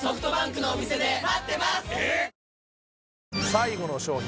最後の商品